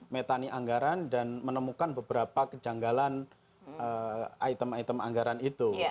metani anggaran dan menemukan beberapa kejanggalan item item anggaran itu